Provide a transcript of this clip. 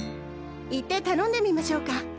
行って頼んでみましょうか。